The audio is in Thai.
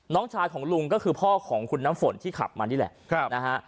น้องชายของลุงก็คือพ่อของคุณน้ำฝนที่ขับมานี่แหละนะฮะ